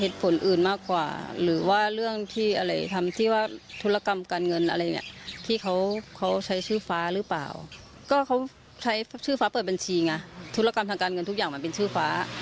ธุรกรรมทางการเงินทุกอย่างมันเป็นชื่อฟ้า